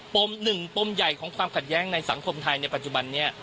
หนึ่งปมใหญ่ของความขัดแย้งในสังคมไทยในปัจจุบันนี้